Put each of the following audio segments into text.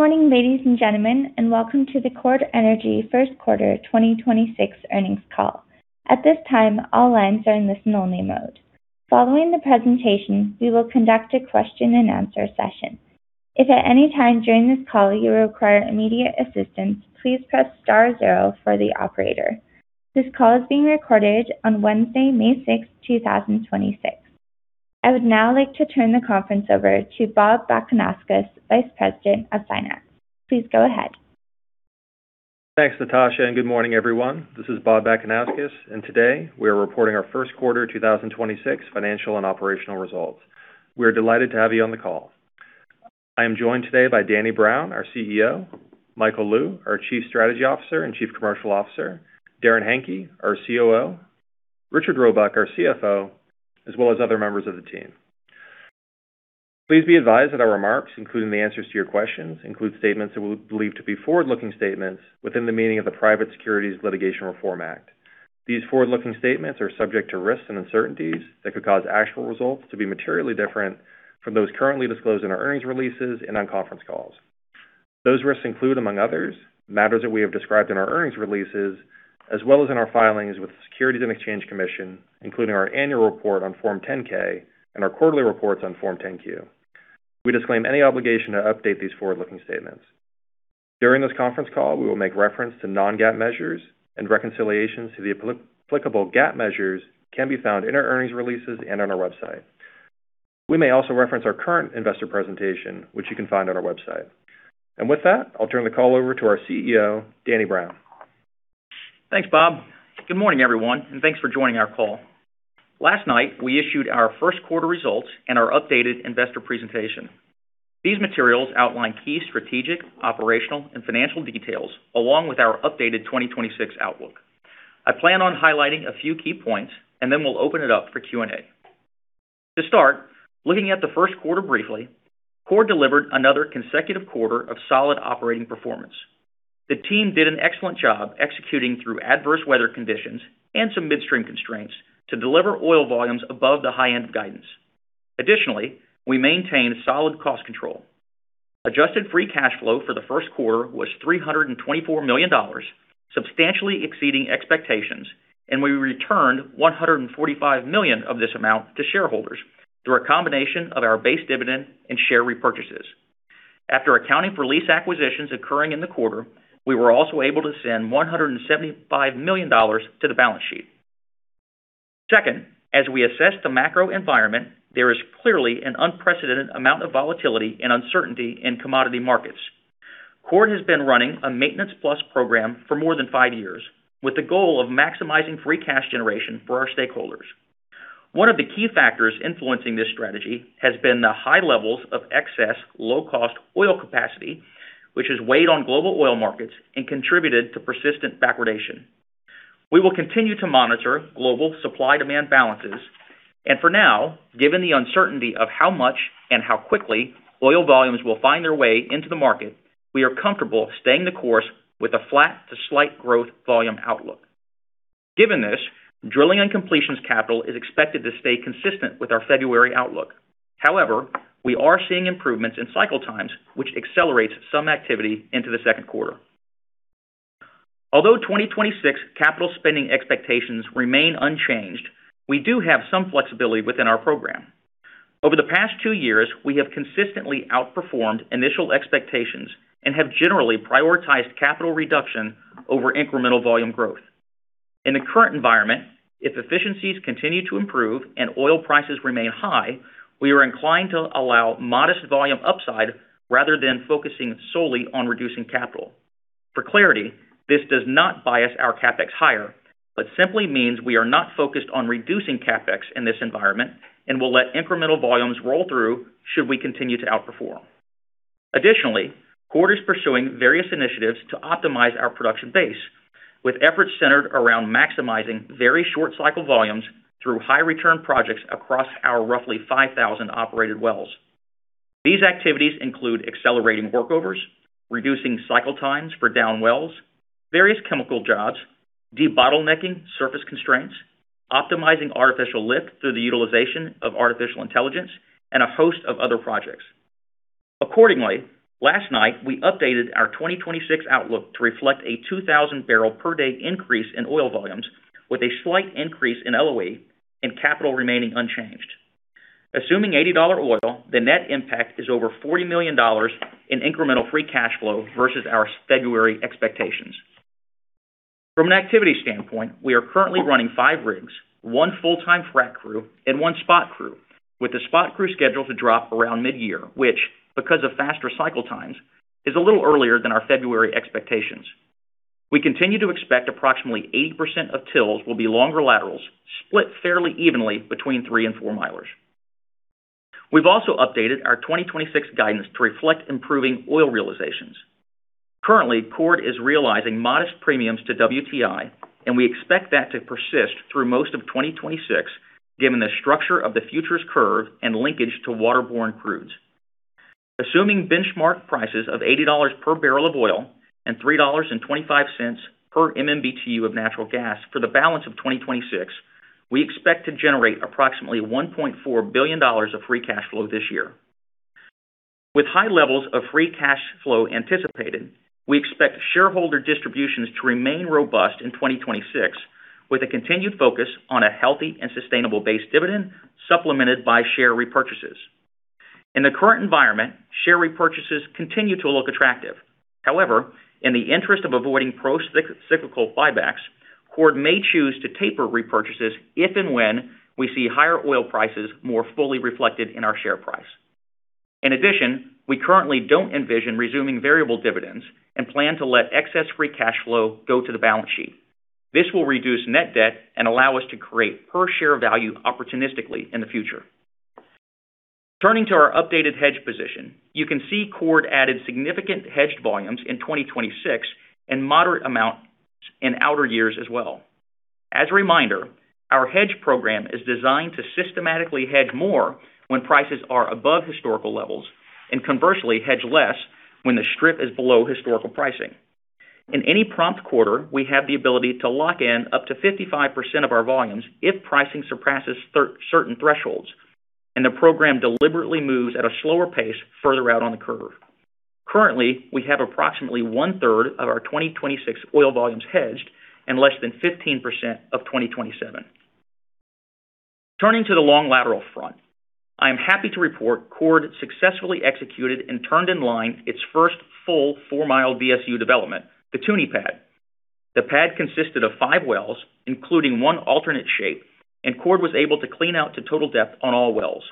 Good morning, ladies and gentlemen. Welcome to the Chord Energy first quarter 2026 earnings call. At this time, all lines are in listen-only mode. Following the presentation, we will conduct a question-and-answer session. If at any time during this call you require immediate assistance, please press star zero for the operator. This call is being recorded on Wednesday, May 6, 2026. I would now like to turn the conference over to Bob Bakanauskas, Vice President of Finance. Please go ahead. Thanks, Natasha, and good morning, everyone. This is Bob Bakanauskas, and today we are reporting our first quarter 2026 financial and operational results. We are delighted to have you on the call. I am joined today by Danny Brown, our CEO, Michael Lou, our Chief Strategy Officer and Chief Commercial Officer, Darrin Henke, our COO, Richard Robuck, our CFO, as well as other members of the team. Please be advised that our remarks, including the answers to your questions, include statements that we believe to be forward-looking statements within the meaning of the Private Securities Litigation Reform Act. These forward-looking statements are subject to risks and uncertainties that could cause actual results to be materially different from those currently disclosed in our earnings releases and on conference calls. Those risks include, among others, matters that we have described in our earnings releases, as well as in our filings with the Securities and Exchange Commission, including our annual report on Form 10-K and our quarterly reports on Form 10-Q. We disclaim any obligation to update these forward-looking statements. During this conference call, we will make reference to non-GAAP measures and reconciliations to the applicable GAAP measures can be found in our earnings releases and on our website. We may also reference our current investor presentation, which you can find on our website. With that, I'll turn the call over to our CEO, Danny Brown. Thanks, Bob. Good morning, everyone, and thanks for joining our call. Last night, we issued our first quarter results and our updated investor presentation. These materials outline key strategic, operational, and financial details along with our updated 2026 outlook. I plan on highlighting a few key points and then we'll open it up for Q&A. To start, looking at the first quarter briefly, Chord delivered another consecutive quarter of solid operating performance. The team did an excellent job executing through adverse weather conditions and some midstream constraints to deliver oil volumes above the high end of guidance. Additionally, we maintained solid cost control. Adjusted free cash flow for the first quarter was $324 million, substantially exceeding expectations, and we returned $145 million of this amount to shareholders through a combination of our base dividend and share repurchases. After accounting for lease acquisitions occurring in the quarter, we were also able to send $175 million to the balance sheet. Second, as we assess the macro environment, there is clearly an unprecedented amount of volatility and uncertainty in commodity markets. Chord has been running a maintenance plus program for more than five years, with the goal of maximizing free cash generation for our stakeholders. One of the key factors influencing this strategy has been the high levels of excess low-cost oil capacity, which has weighed on global oil markets and contributed to persistent backwardation. We will to continue global supply-demand balances and for now, given the uncertainty of how much and how quickly oil volumes will find their way into the market, we are comfortable staying the course with a flat to slight growth volume outlook. Given this, drilling and completions capital is expected to stay consistent with our February outlook. However, we are seeing improvements in cycle times, which accelerates some activity into the second quarter. Although 2026 capital spending expectations remain unchanged, we do have some flexibility within our program. Over the past two years, we have consistently outperformed initial expectations and have generally prioritized capital reduction over incremental volume growth. In the current environment, if efficiencies continue to improve and oil prices remain high, we are inclined to allow modest volume upside rather than focusing solely on reducing capital. For clarity, this does not bias our CapEx higher, but simply means we are not focused on reducing CapEx in this environment and will let incremental volumes roll through should we continue to outperform. Additionally, Chord is pursuing various initiatives to optimize our production base with efforts centered around maximizing very short cycle volumes through high return projects across our roughly 5,000 operated wells. These activities include accelerating workovers, reducing cycle times for down wells, various chemical jobs, debottlenecking surface constraints, optimizing artificial lift through the utilization of artificial intelligence, and a host of other projects. Accordingly, last night, we updated our 2026 outlook to reflect a 2,000 barrel per day increase in oil volumes with a slight increase in LOE and capital remaining unchanged. Assuming $80 oil, the net impact is over $40 million in incremental free cash flow versus our February expectations. From an activity standpoint, we are currently running five rigs, one full-time frac crew, and one spot crew, with the spot crew scheduled to drop around mid-year, which, because of faster cycle times, is a little earlier than our February expectations. We continue to expect approximately 80% of TILs will be longer laterals, split fairly evenly between three and four milers. We've also updated our 2026 guidance to reflect improving oil realizations. Currently, Chord is realizing modest premiums to WTI, and we expect that to persist through most of 2026, given the structure of the futures curve and linkage to waterborne crudes. Assuming benchmark prices of $80 per barrel of oil and $3.25 per MMBtu of natural gas for the balance of 2026. We expect to generate approximately $1.4 billion of free cash flow this year. With high levels of free cash flow anticipated, we expect shareholder distributions to remain robust in 2026, with a continued focus on a healthy and sustainable base dividend supplemented by share repurchases. In the current environment, share repurchases continue to look attractive. In the interest of avoiding procyclical buybacks, Chord may choose to taper repurchases if and when we see higher oil prices more fully reflected in our share price. We currently don't envision resuming variable dividends and plan to let excess free cash flow go to the balance sheet. This will reduce net debt and allow us to create per-share value opportunistically in the future. Turning to our updated hedge position, you can see Chord added significant hedged volumes in 2026 and moderate amounts in outer years as well. As a reminder, our hedge program is designed to systematically hedge more when prices are above historical levels, and conversely, hedge less when the strip is below historical pricing. In any prompt quarter, we have the ability to lock in up to 55% of our volumes if pricing surpasses certain thresholds, and the program deliberately moves at a slower pace further out on the curve. Currently, we have approximately one-third of our 2026 oil volumes hedged and less than 15% of 2027. Turning to the long-lateral front, I am happy to report Chord successfully executed and turned in line its first full 4-mile DSU development, the Toonie pad. The pad consisted of five wells, including one alternate shape, and Chord was able to clean out to total depth on all wells.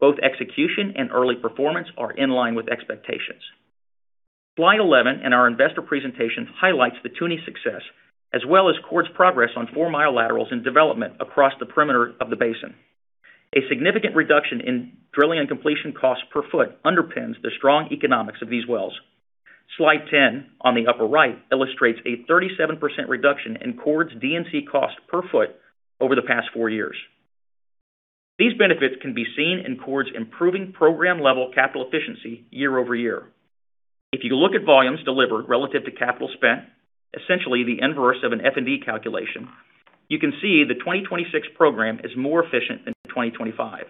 Both execution and early performance are in line with expectations. Slide 11 in our investor presentation highlights the Toonie success, as well as Chord's progress on 4-mile laterals in development across the perimeter of the basin. A significant reduction in drilling and completion costs per foot underpins the strong economics of these wells. Slide 10 on the upper right illustrates a 37% reduction in Chord's DNC cost per foot over the past four years. These benefits can be seen in Chord's improving program-level capital efficiency year-over-year. If you look at volumes delivered relative to capital spent, essentially the inverse of an F&D calculation, you can see the 2026 program is more efficient than 2025.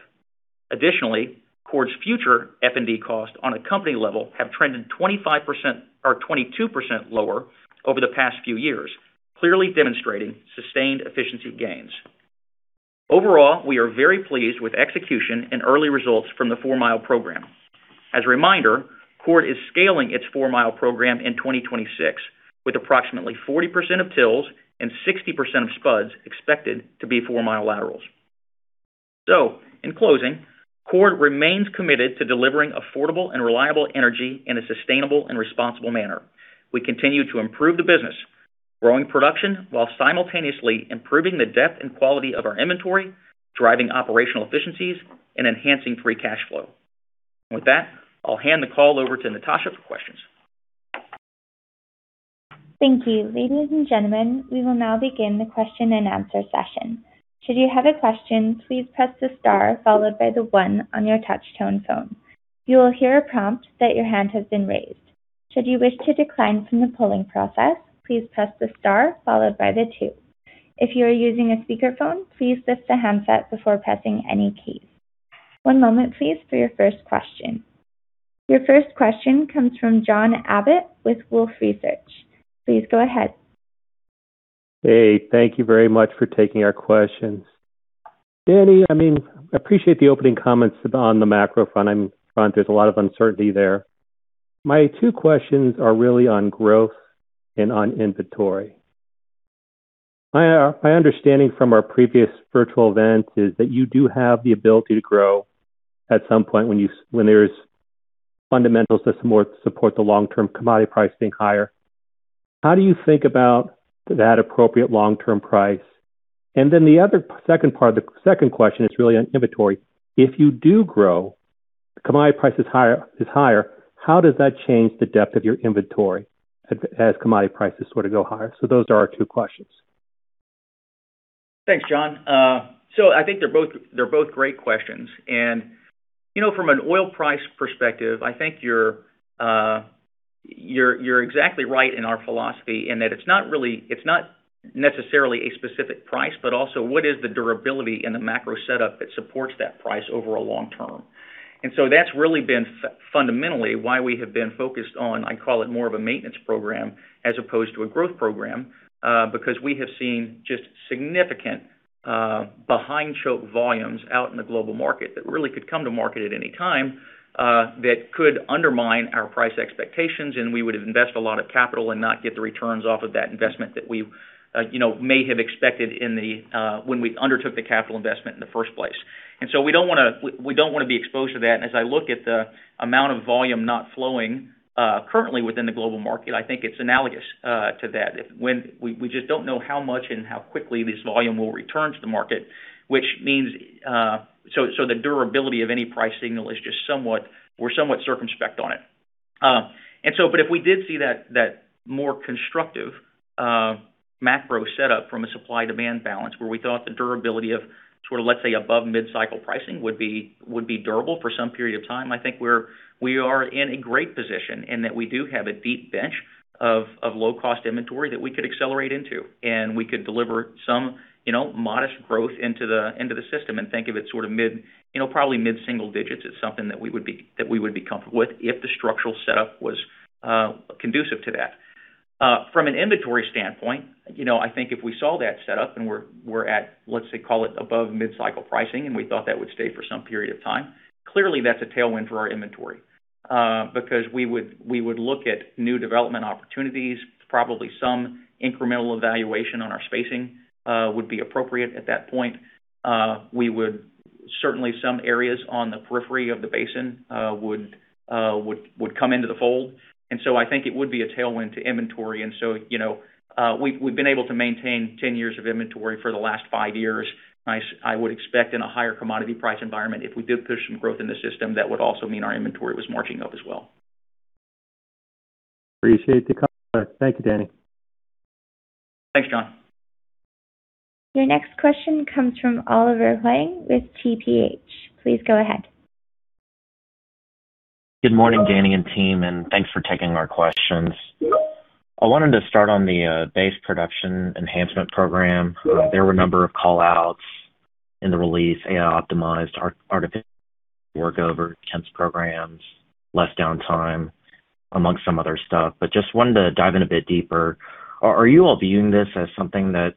Chord's future F&D costs on a company level have trended 25% or 22% lower over the past few years, clearly demonstrating sustained efficiency gains. Overall, we are very pleased with execution and early results from the 4-mile program. As a reminder, Chord is scaling its 4-mile program in 2026, with approximately 40% of TILs and 60% of spuds expected to be 4-mile laterals. In closing, Chord remains committed to delivering affordable and reliable energy in a sustainable and responsible manner. We continue to improve the business, growing production while simultaneously improving the depth and quality of our inventory, driving operational efficiencies, and enhancing free cash flow. With that, I'll hand the call over to Natasha for questions. Thank you. Ladies and gentlemen, we will now begin the question-and-answer session. Should you have a question, please press the star followed by the one on your touch-tone phone. You will hear a prompt that your hand has been raised. Should you wish to decline from the polling process, please press the star followed by the two. If you are using a speakerphone, please lift the handset before pressing any key. One moment please for your first question. Your first question comes from John Abbott with Wolfe Research. Please go ahead. Hey, thank you very much for taking our questions. Danny, I mean, appreciate the opening comments on the macro front. I mean, there's a lot of uncertainty there. My understanding from our previous virtual event is that you do have the ability to grow at some point when there's fundamentals to support the long-term commodity price being higher. How do you think about that appropriate long-term price? The other second part, the second question is really on inventory. If you do grow, commodity price is higher, how does that change the depth of your inventory as commodity prices sort of go higher? Those are our two questions. Thanks, John. I think they're both great questions. You know, from an oil price perspective, I think you're exactly right in our philosophy in that it's not necessarily a specific price, but also what is the durability in the macro setup that supports that price over a long term. That's really been fundamentally why we have been focused on, I call it more of a maintenance program as opposed to a growth program, because we have seen just significant behind-choke volumes out in the global market that really could come to market at any time that could undermine our price expectations. We would invest a lot of capital and not get the returns off of that investment that we, you know, may have expected in the when we undertook the capital investment in the first place. We don't wanna be exposed to that. As I look at the amount of volume not flowing currently within the global market, I think it's analogous to that. We just don't know how much and how quickly this volume will return to the market, which means the durability of any price signal is just somewhat circumspect on it. But if we did see that more constructive macro setup from a supply-demand balance where we thought the durability of sort of, let's say, above mid-cycle pricing would be durable for some period of time, I think we are in a great position in that we do have a deep bench of low-cost inventory that we could accelerate into, and we could deliver some, you know, modest growth into the system and think of it sort of, you know, probably mid-single digits is something that we would be comfortable with if the structural setup was conducive to that. From an inventory standpoint, you know, I think if we saw that set up and we're at, let's say, call it above mid-cycle pricing, and we thought that would stay for some period of time, clearly that's a tailwind for our inventory. Because we would look at new development opportunities. Probably some incremental evaluation on our spacing would be appropriate at that point. Certainly some areas on the periphery of the basin would come into the fold. I think it would be a tailwind to inventory. You know, we've been able to maintain 10 years of inventory for the last five years. I would expect in a higher commodity price environment, if we did push some growth in the system, that would also mean our inventory was marching up as well. Appreciate the color. Thank you, Danny. Thanks, John. Your next question comes from Oliver Huang with TPH. Please go ahead. Good morning, Danny and team, and thanks for taking our questions. I wanted to start on the base production enhancement program. There were a number of callouts in the release, AI-optimized artificial [inaudible] workover intense programs, less downtime, amongst some other stuff. Just wanted to dive in a bit deeper. Are you all viewing this as something that's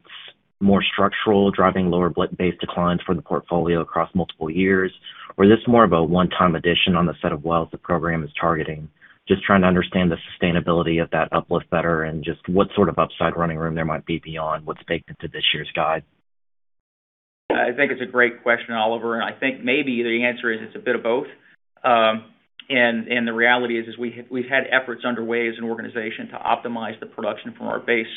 more structural, driving lower base declines for the portfolio across multiple years? Is this more of a one-time addition on the set of wells the program is targeting? Just trying to understand the sustainability of that uplift better and just what sort of upside running room there might be beyond what's baked into this year's guide. I think it's a great question, Oliver, and I think maybe the answer is it's a bit of both. And the reality is we've had efforts underway as an organization to optimize the production from our base,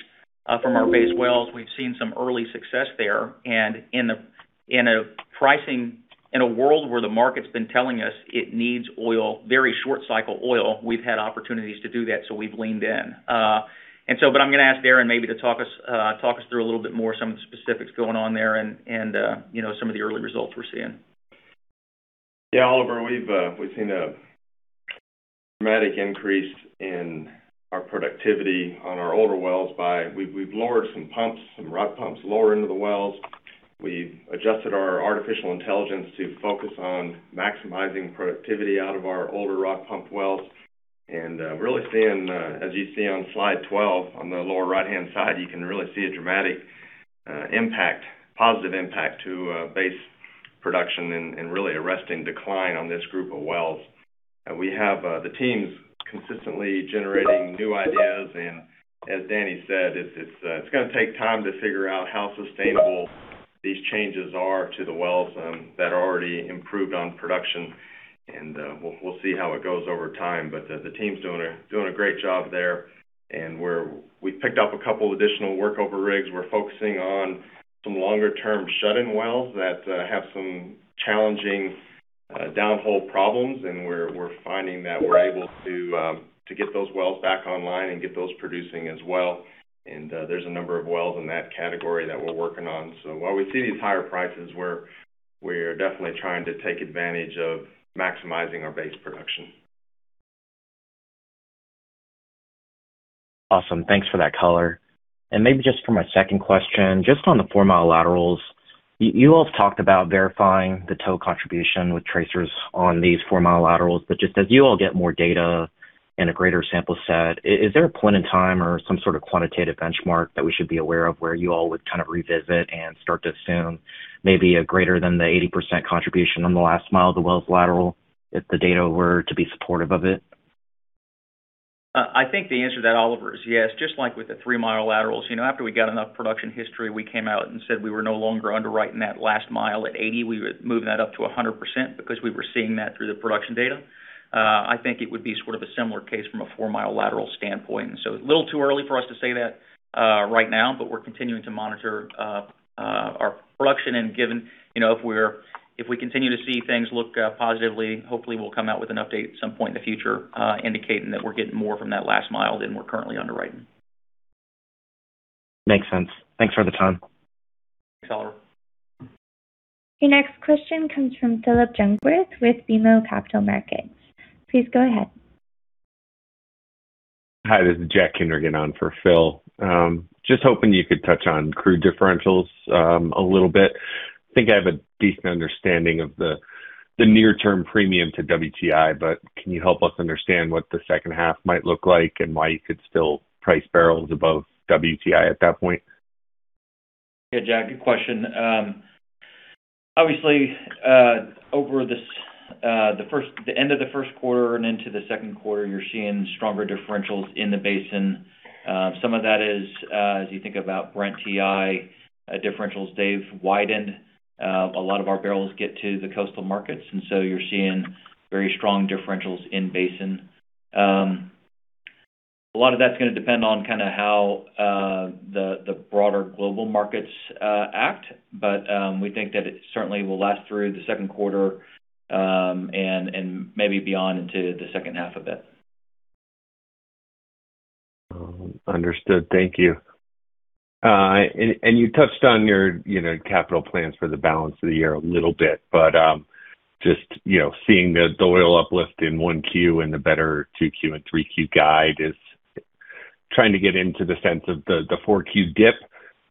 from our base wells. We've seen some early success there. In a, in a pricing—in a world where the market's been telling us it needs oil, very short cycle oil, we've had opportunities to do that, so we've leaned in. I'm gonna ask Darrin maybe to talk us, talk us through a little bit more, some of the specifics going on there and, you know, some of the early results we're seeing. Oliver Huang, we've seen a dramatic increase in our productivity on our older wells by we've lowered some pumps, some rod pump lower into the wells. We've adjusted our artificial intelligence to focus on maximizing productivity out of our older rod pump wells. Really seeing, as you see on slide 12, on the lower right-hand side, you can really see a dramatic impact, positive impact to base production and really arresting decline on this group of wells. We have the teams consistently generating new ideas. As Danny said, it's gonna take time to figure out how sustainable these changes are to the wells that are already improved on production. We'll see how it goes over time. The team's doing a great job there. We picked up two additional workover rigs. We're focusing on some longer-term shut-in wells that have some challenging downhole problems. We're finding that we're able to get those wells back online and get those producing as well. There's a number of wells in that category that we're working on. While we see these higher prices, we're definitely trying to take advantage of maximizing our base production. Awesome. Thanks for that color. Maybe just for my second question, just on the 4-mile laterals. You all have talked about verifying the toe contribution with tracers on these 4-mile laterals. Just as you all get more data and a greater sample set, is there a point in time or some sort of quantitative benchmark that we should be aware of where you all would kind of revisit and start to assume maybe a greater than the 80% contribution on the last mile of the well's lateral if the data were to be supportive of it? I think the answer to that, Oliver, is yes. Just like with the 3-mile laterals, you know, after we got enough production history, we came out and said we were no longer underwriting that last mile at 80%. We were moving that up to a 100% because we were seeing that through the production data. I think it would be sort of a similar case from a 4-mile lateral standpoint. A little too early for us to say that right now, but we're continuing to monitor our production. Given, you know, if we continue to see things look positively, hopefully we'll come out with an update at some point in the future, indicating that we're getting more from that last mile than we're currently underwriting. Makes sense. Thanks for the time. Thanks, Oliver. Your next question comes from Phillip Jungwirth with BMO Capital Markets. Please go ahead. Hi, this is Jack Kindregan on for Phil. just hoping you could touch on crude differentials a little bit. I think I have a decent understanding of the near-term premium to WTI, but can you help us understand what the second half might look like and why you could still price barrels above WTI at that point? Yeah, Jack, good question. Obviously, over the end of the first quarter and into the second quarter, you're seeing stronger differentials in the basin. Some of that is, as you think about Brent-TI differentials, they've widened. A lot of our barrels get to the coastal markets. You're seeing very strong differentials in basin. A lot of that's gonna depend on kinda how the broader global markets act. We think that it certainly will last through the second quarter and maybe beyond into the second half of it. Understood. Thank you. You touched on your, you know, capital plans for the balance of the year a little bit, but just, you know, seeing the oil uplift in 1Q and the better 2Q and 3Q guide is trying to get into the sense of the 4Q dip,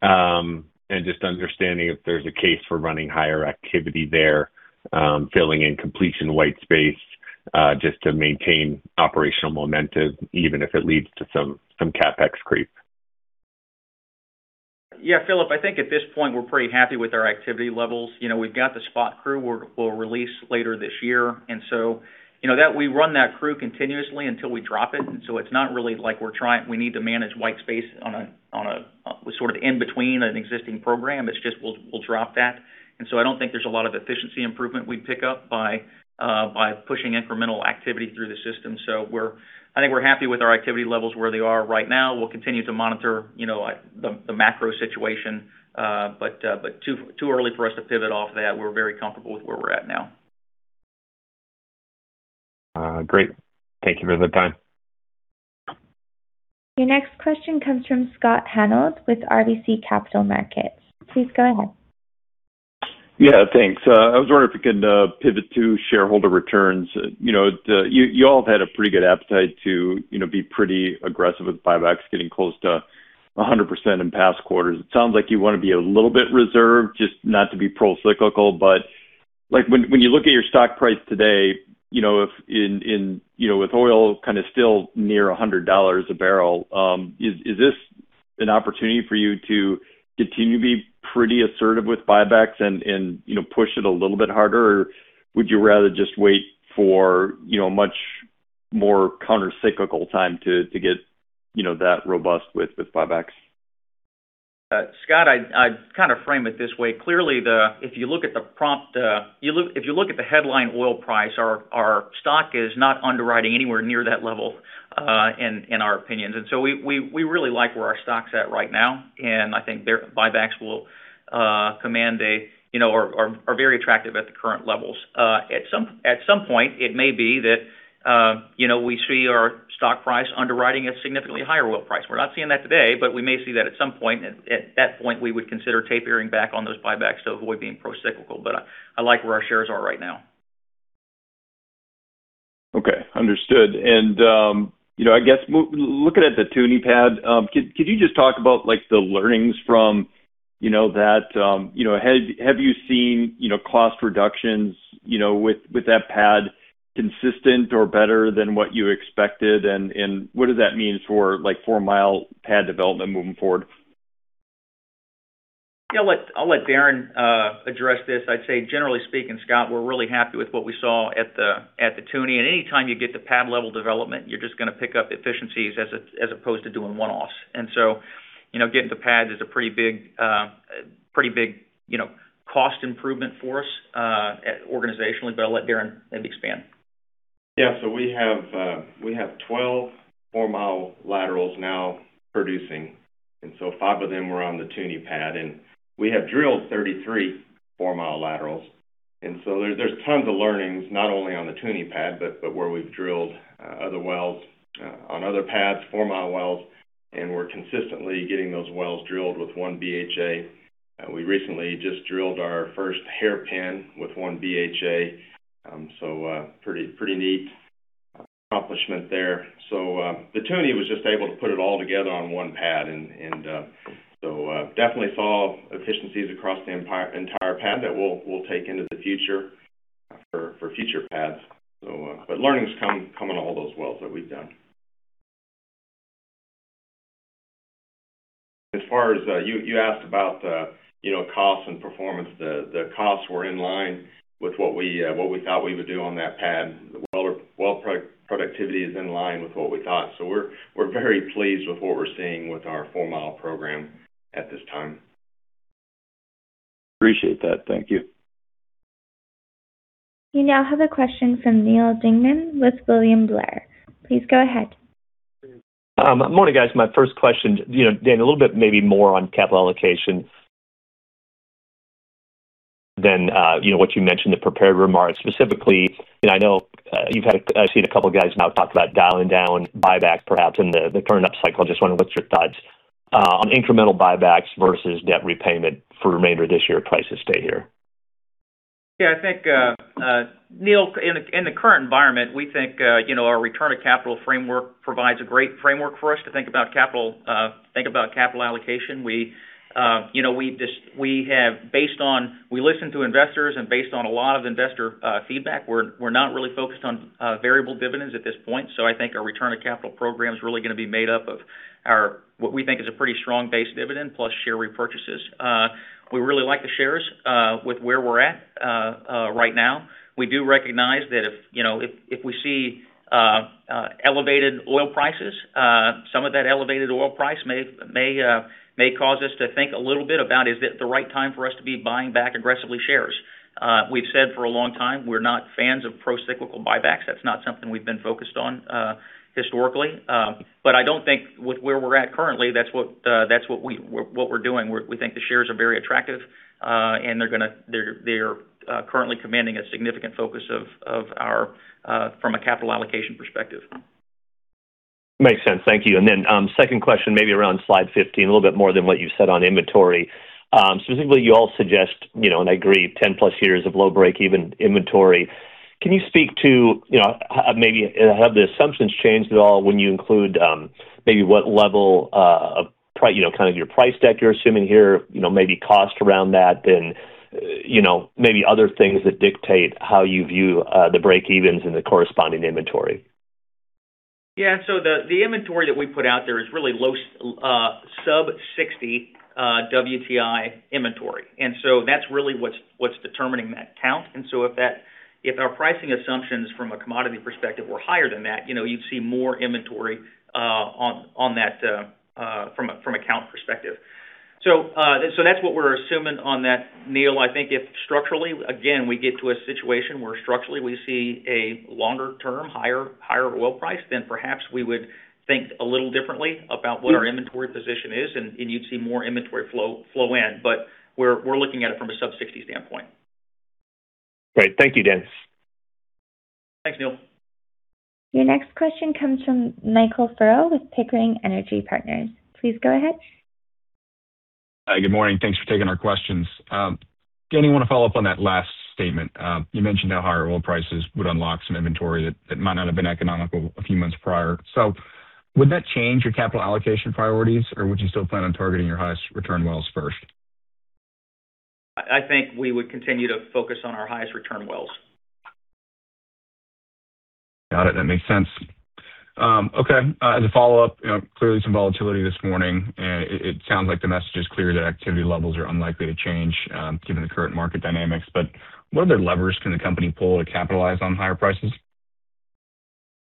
and just understanding if there's a case for running higher activity there, filling in completion white space, just to maintain operational momentum, even if it leads to some CapEx creep. Yeah, Phillip, I think at this point, we're pretty happy with our activity levels. You know, we've got the spot crew we'll release later this year. You know, we run that crew continuously until we drop it. It's not really like we need to manage white space on a, on a, sort of in between an existing program. It's just we'll drop that. I don't think there's a lot of efficiency improvement we'd pick up by pushing incremental activity through the system. I think we're happy with our activity levels where they are right now. We'll continue to monitor, you know, like, the macro situation, but too early for us to pivot off that. We're very comfortable with where we're at now. Great. Thank you for the time. Your next question comes from Scott Hanold with RBC Capital Markets. Please go ahead. Yeah, thanks. I was wondering if you could pivot to shareholder returns. You know, you all have had a pretty good appetite to, you know, be pretty aggressive with buybacks getting close to 100% in past quarters. It sounds like you wanna be a little bit reserved, just not to be pro-cyclical. Like, when you look at your stock price today, you know, if in, you know, with oil kind of still near $100 a barrel, is this an opportunity for you to continue to be pretty assertive with buybacks and, you know, push it a little bit harder? Would you rather just wait for, you know, a much more counter-cyclical time to get, you know, that robust with buybacks? Scott, I'd kinda frame it this way. Clearly, if you look at the prompt, if you look at the headline oil price, our stock is not underwriting anywhere near that level, in our opinions. So we really like where our stock's at right now, and I think their buybacks will command a, you know, are very attractive at the current levels. At some point, it may be that, you know, we see our stock price underwriting a significantly higher oil price. We're not seeing that today, but we may see that at some point. At that point, we would consider tapering back on those buybacks to avoid being pro-cyclical. I like where our shares are right now. Okay. Understood. You know, I guess looking at the Toonie pad, could you just talk about, like, the learnings from, you know, that, you know, have you seen, you know, cost reductions, you know, with that pad consistent or better than what you expected? What does that mean for, like, four-mile pad development moving forward? Yeah, I'll let Darrin address this. I'd say generally speaking, Scott, we're really happy with what we saw at the Toonie pad. Anytime you get to pad-level development, you're just gonna pick up efficiencies as opposed to doing one-offs. You know, getting to pads is a pretty big, you know, cost improvement for us organizationally, but I'll let Darrin maybe expand. We have 12 4-mile laterals now producing, five of them were on the Toonie pad. We have drilled 33 4-mile laterals. There's tons of learnings, not only on the Toonie pad, but where we've drilled other wells on other pads, 4-mile wells, and we're consistently getting those wells drilled with 1 BHA. We recently just drilled our first hairpin with one BHA, pretty neat accomplishment there. The Toonie was just able to put it all together on one pad, definitely saw efficiencies across the entire pad that we'll take into the future for future pads. Learnings come in all those wells that we've done. As far as you asked about the, you know, costs and performance. The costs were in line with what we thought we would do on that pad. The well productivity is in line with what we thought. We're very pleased with what we're seeing with our 4-mile program at this time. Appreciate that. Thank you. You now have a question from Neal Dingmann with William Blair. Please go ahead. Morning, guys. My first question, you know, Dan, a little bit maybe more on capital allocation than, you know, what you mentioned in the prepared remarks. Specifically, you know, I know, I've seen a couple of guys now talk about dialing down buyback perhaps in the current upcycle. Just wondering what's your thoughts on incremental buybacks versus debt repayment for remainder of this year if prices stay here? Yeah, I think, Neal, in the current environment, we think, you know, our return of capital framework provides a great framework for us to think about capital, think about capital allocation. We listen to investors, and based on a lot of investor feedback, we're not really focused on variable dividends at this point. I think our return of capital program is really gonna be made up of what we think is a pretty strong base dividend plus share repurchases. We really like the shares, with where we're at right now. We do recognize that if, you know, if we see elevated oil prices, some of that elevated oil price may cause us to think a little bit about, is it the right time for us to be buying back aggressively shares? We've said for a long time we're not fans of procyclical buybacks. That's not something we've been focused on historically. I don't think with where we're at currently, that's what we're doing. We think the shares are very attractive, and they're currently commanding a significant focus of our from a capital allocation perspective. Makes sense. Thank you. Second question, maybe around slide 15, a little bit more than what you've said on inventory. Specifically, you all suggest, you know, and I agree, 10+ years of low break-even inventory. Can you speak to, you know, how maybe have the assumptions changed at all when you include, maybe what level of price, you know, kind of your price deck you're assuming here, you know, maybe cost around that then, you know, maybe other things that dictate how you view the break-evens and the corresponding inventory? Yeah. The inventory that we put out there is really low, sub-60 WTI inventory. That's really what's determining that count. If our pricing assumptions from a commodity perspective were higher than that, you'd see more inventory on that from a count perspective. That's what we're assuming on that, Neal. I think if structurally, again, we get to a situation where structurally we see a longer term, higher oil price, then perhaps we would think a little differently about what our inventory position is and you'd see more inventory flow in. We're looking at it from a sub-60 standpoint. Great. Thank you, Danny. Thanks, Neal. Your next question comes from Michael Furrow with Pickering Energy Partners. Please go ahead. Good morning. Thanks for taking our questions. Danny, wanna follow up on that last statement. You mentioned how higher oil prices would unlock some inventory that might not have been economical a few months prior. Would that change your capital allocation priorities, or would you still plan on targeting your highest return wells first? I think we would continue to focus on our highest return wells. Got it. That makes sense. Okay, as a follow-up, you know, clearly some volatility this morning. It sounds like the message is clear that activity levels are unlikely to change, given the current market dynamics. What other levers can the company pull to capitalize on higher prices?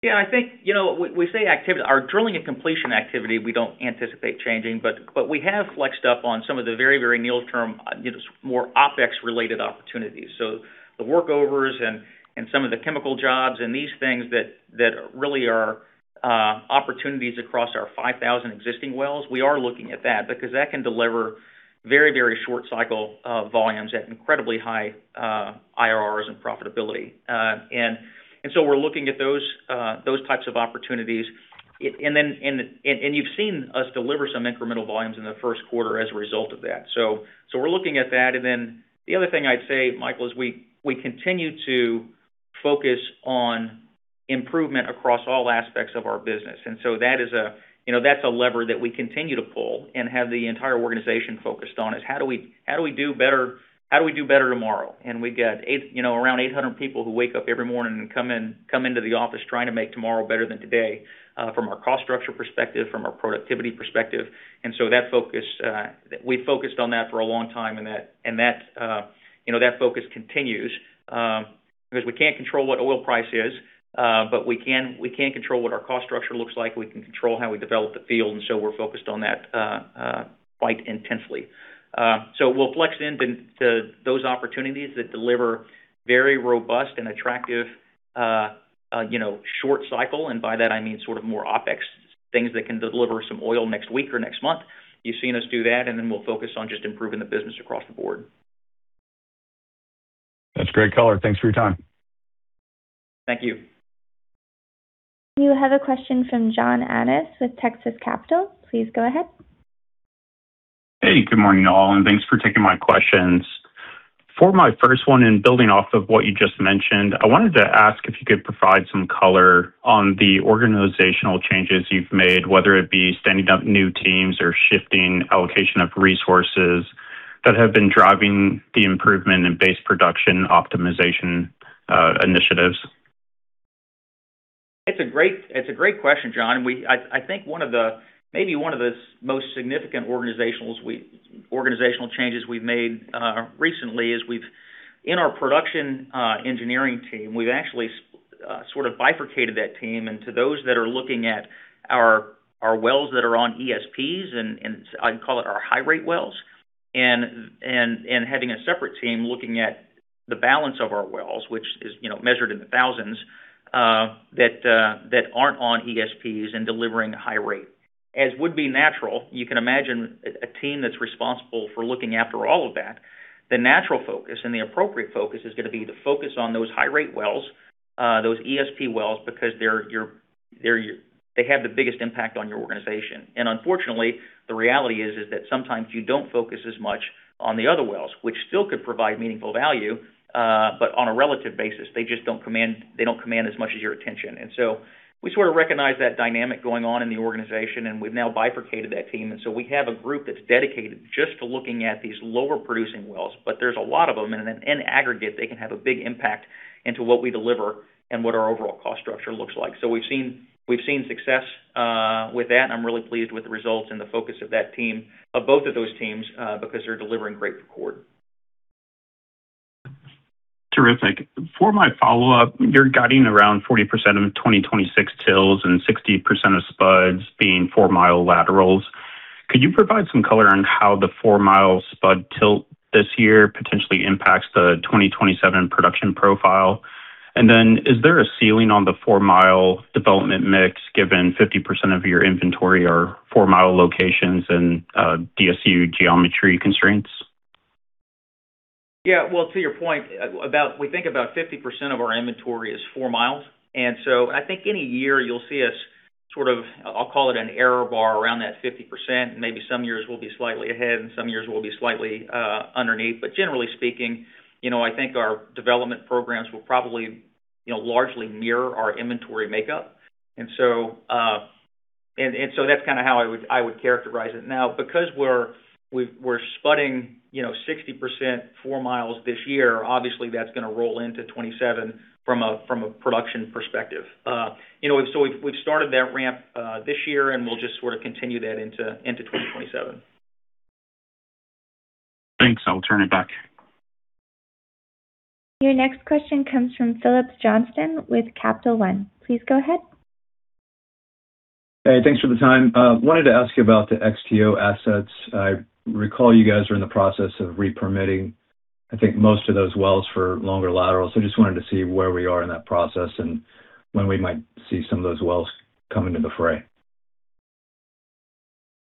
Yeah, I think, you know, we say activity. Our drilling and completion activity, we don't anticipate changing, but we have flexed up on some of the very, very near-term, you know, more OpEx-related opportunities. The workovers and some of the chemical jobs and these things that really are opportunities across our 5,000 existing wells, we are looking at that because that can deliver very, very short cycle volumes at incredibly high IRRs and profitability. We're looking at those types of opportunities. You've seen us deliver some incremental volumes in the first quarter as a result of that. We're looking at that. The other thing I'd say, Michael, is we continue to focus on improvement across all aspects of our business. That is a, you know, that's a lever that we continue to pull and have the entire organization focused on is how do we do better, how do we do better tomorrow? We've got, you know, around 800 people who wake up every morning and come into the office trying to make tomorrow better than today, from our cost structure perspective, from our productivity perspective. That focus, we focused on that for a long time, and that, you know, that focus continues. Because we can't control what oil price is, but we can control what our cost structure looks like. We can control how we develop the field, and so we're focused on that quite intensely. We'll flex into, to those opportunities that deliver very robust and attractive, you know, short cycle, and by that I mean sort of more OpEx, things that can deliver some oil next week or next month. You've seen us do that, and then we'll focus on just improving the business across the board. That's great color. Thanks for your time. Thank you. You have a question from John Annis with Texas Capital. Please go ahead. Hey, good morning, y'all, and thanks for taking my questions. For my first one, and building off of what you just mentioned, I wanted to ask if you could provide some color on the organizational changes you've made, whether it be standing up new teams or shifting allocation of resources that have been driving the improvement in base production optimization initiatives. It's a great, it's a great question, John. I think one of the maybe one of the most significant organizational changes we've made recently is we've in our production engineering team, we've actually sort of bifurcated that team into those that are looking at our wells that are on ESPs, and I'd call it our high rate wells, and having a separate team looking at the balance of our wells, which is, you know, measured in the thousands, that aren't on ESPs and delivering a high rate. As would be natural, you can imagine a team that's responsible for looking after all of that. The natural focus and the appropriate focus is gonna be the focus on those high rate wells, those ESP wells, because they have the biggest impact on your organization. Unfortunately, the reality is that sometimes you don't focus as much on the other wells, which still could provide meaningful value, but on a relative basis, they just don't command as much as your attention. We sort of recognize that dynamic going on in the organization, and we've now bifurcated that team. We have a group that's dedicated just to looking at these lower producing wells, but there's a lot of them, and in aggregate, they can have a big impact into what we deliver and what our overall cost structure looks like. We've seen success with that, and I'm really pleased with the results and the focus of that team, of both of those teams, because they're delivering great record. Terrific. For my follow-up, you're guiding around 40% of 2026 TILs and 60% of spuds being 4-mile laterals. Could you provide some color on how the 4-mile spud tilt this year potentially impacts the 2027 production profile? Is there a ceiling on the 4-mile development mix given 50% of your inventory are 4-mile locations and DSU geometry constraints? Yeah. Well, to your point, we think about 50% of our inventory is 4 mi. I think any year you'll see us sort of, I'll call it an error bar around that 50%. Maybe some years we'll be slightly ahead, and some years we'll be slightly underneath. Generally speaking, you know, I think our development programs will probably, you know, largely mirror our inventory makeup. That's kind of how I would characterize it. Now, because we're spudding, you know, 60% 4 mi this year, obviously that's going to roll into 2027 from a production perspective. You know, we've started that ramp this year, and we'll just sort of continue that into 2027. Thanks. I'll turn it back. Your next question comes from Phillips Johnston with Capital One. Please go ahead. Hey, thanks for the time. Wanted to ask about the XTO assets. I recall you guys are in the process of re-permitting, I think, most of those wells for longer laterals. Just wanted to see where we are in that process and when we might see some of those wells come into the fray.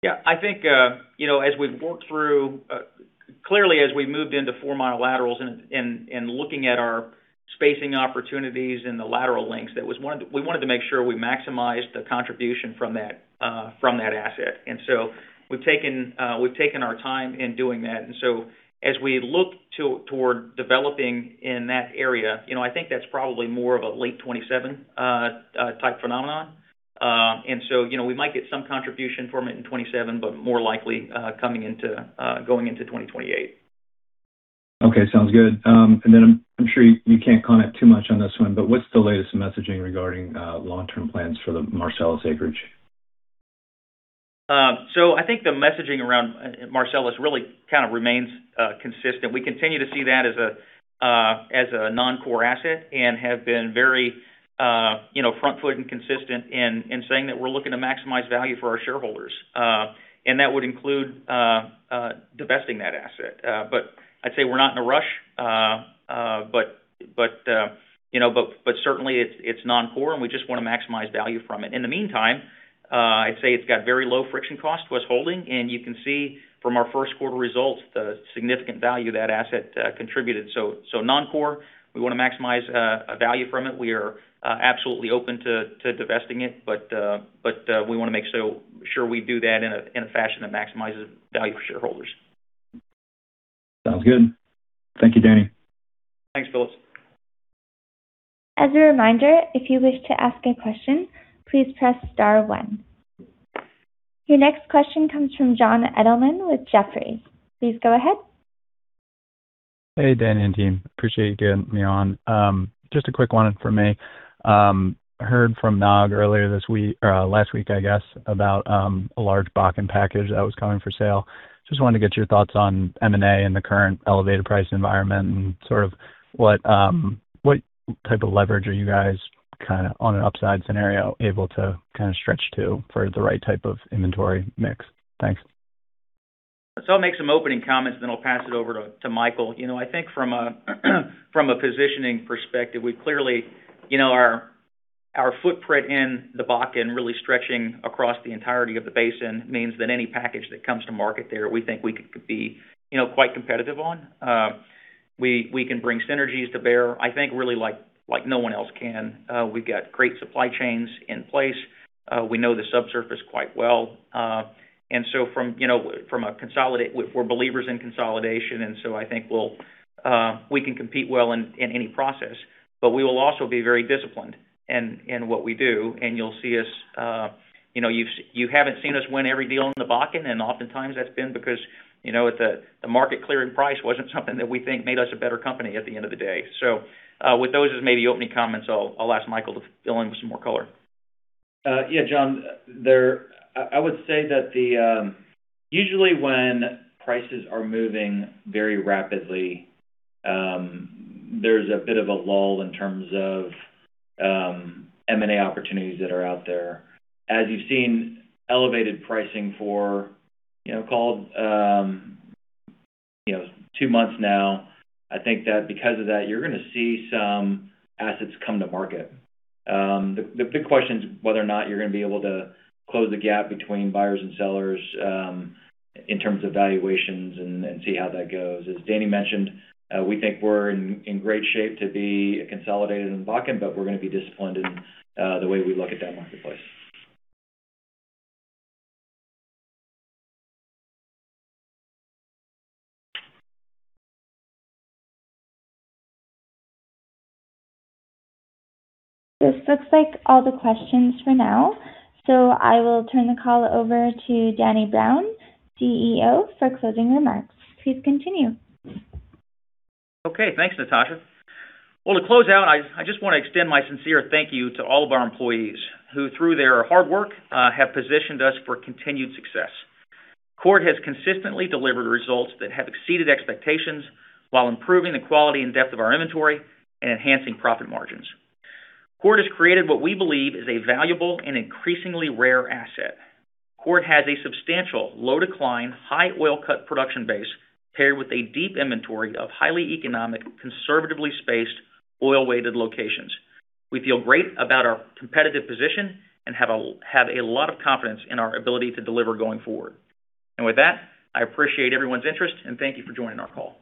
Yeah. I think, you know, as we've worked through clearly, as we moved into 4-mile laterals and looking at our spacing opportunities in the lateral links, we wanted to make sure we maximize the contribution from that from that asset. We've taken our time in doing that. As we look toward developing in that area, you know, I think that's probably more of a late 2027 type phenomenon. You know, we might get some contribution from it in 2027, but more likely coming into going into 2028. Okay. Sounds good. I'm sure you can't comment too much on this one, but what's the latest messaging regarding long-term plans for the Marcellus acreage? I think the messaging around Marcellus really kinda remains consistent. We continue to see that as a non-core asset and have been very, you know, front foot and consistent in saying that we're looking to maximize value for our shareholders. That would include divesting that asset. I'd say we're not in a rush. You know, but certainly it's non-core, and we just wanna maximize value from it. In the meantime, I'd say it's got very low friction cost to us holding, and you can see from our first quarter results the significant value that asset contributed. Non-core, we wanna maximize value from it. We are absolutely open to divesting it, but we wanna make sure we do that in a fashion that maximizes value for shareholders. Sounds good. Thank you, Danny. Thanks, Phillips. Your next question comes from John Edelman with Jefferies. Please go ahead. Hey, Danny and team. Appreciate you getting me on. Just a quick one from me. Heard from NOG earlier this week, or last week, I guess, about a large Bakken package that was coming for sale. Just wanted to get your thoughts on M&A in the current elevated price environment and sort of what type of leverage are you guys kinda on an upside scenario able to kinda stretch to for the right type of inventory mix? Thanks. I'll make some opening comments, then I'll pass it over to Michael. You know, I think from a positioning perspective, we clearly, our footprint in the Bakken really stretching across the entirety of the basin means that any package that comes to market there, we think we could be, you know, quite competitive on. We can bring synergies to bear, I think, really like no one else can. We've got great supply chains in place. We know the subsurface quite well. We're believers in consolidation, and so I think we'll, we can compete well in any process. We will also be very disciplined in what we do. You'll see us, you know, you haven't seen us win every deal in the Bakken. Oftentimes that's been because, you know, the market clearing price wasn't something that we think made us a better company at the end of the day. With those as maybe opening comments, I'll ask Michael to fill in with some more color. Yeah, John. I would say that usually when prices are moving very rapidly, there's a bit of a lull in terms of M&A opportunities that are out there. As you've seen, elevated pricing for, you know, called, you know, two months now. I think that because of that, you're gonna see some assets come to market. The big question is whether or not you're gonna be able to close the gap between buyers and sellers in terms of valuations and see how that goes. As Danny mentioned, we think we're in great shape to be consolidated in Bakken, but we're gonna be disciplined in the way we look at that marketplace. This looks like all the questions for now. I will turn the call over to Danny Brown, CEO, for closing remarks. Please continue. Okay. Thanks, Natasha. Well, to close out, I just wanna extend my sincere thank you to all of our employees, who through their hard work, have positioned us for continued success. Chord has consistently delivered results that have exceeded expectations while improving the quality and depth of our inventory and enhancing profit margins. Chord has created what we believe is a valuable and increasingly rare asset. Chord has a substantial low decline, high oil cut production base, paired with a deep inventory of highly economic, conservatively spaced, oil-weighted locations. We feel great about our competitive position and have a lot of confidence in our ability to deliver going forward. With that, I appreciate everyone's interest, and thank you for joining our call.